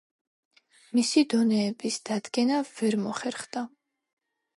მისი დონეების დადგენა ვერ მოხერხდა.